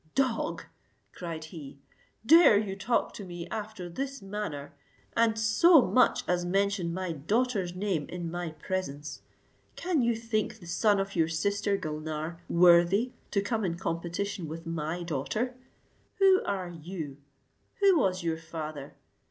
"Dog," cried he, "dare you talk to me after this manner, and so much as mention my daughter's name in my presence Can you think the son of your sister Gulnare worthy to come in competition with my daughter? Who are you? Who was your father?